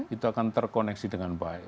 itu akan terkoneksi dengan baik